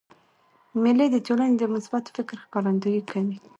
مېلې د ټولني د مثبت فکر ښکارندویي کوي.